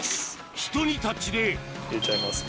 ひと煮立ちで入れちゃいますね